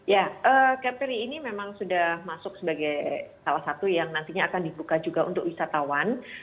ya kepri ini memang sudah masuk sebagai salah satu yang nantinya akan dibuka juga untuk wisatawan